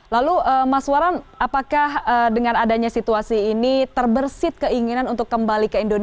lalu mas waran apakah dengan adanya situasi ini terbersih keinginan untuk kembali ke indonesia